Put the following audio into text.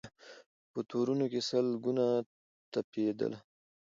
په تورونو کي سل ګونه تپېدله